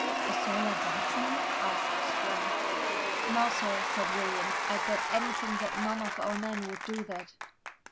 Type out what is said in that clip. "A Solar Guardsman?" asked Strong. "No, sir," said Williams. "I'd bet anything that none of our men would do that!"